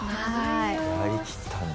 やりきったんだ。